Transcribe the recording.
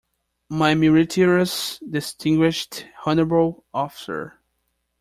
My meritorious, distinguished, honourable officer!